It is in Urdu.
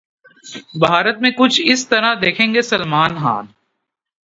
بھارت 'میں کچھ اس طرح دکھیں گے سلمان خان'